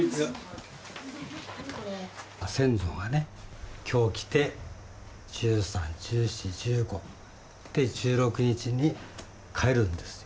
先祖がね今日来て１３１４１５で１６日に帰るんですよ。